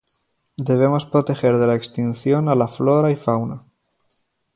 Debemos proteger de la extincion a la flora y fauna